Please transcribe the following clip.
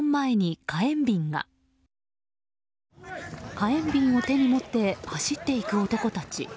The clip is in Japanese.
火炎瓶を手に持って走っていく男たち。